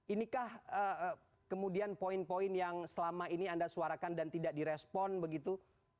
inikah kemudian poin poin yang selama ini anda suarakan dan tidak direspon begitu